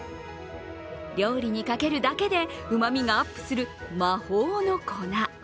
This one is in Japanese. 料理にかけるだけでうまみがアップする魔法の粉。